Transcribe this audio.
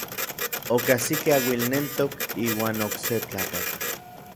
Okajsikej auilnentok iuan okse tlakatl.